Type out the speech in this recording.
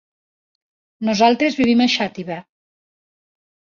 Nosaltres vivim a Xàtiva.